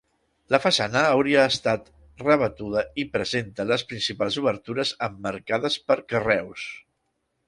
La façana hauria estat rebatuda i presenta les principals obertures emmarcades per carreus.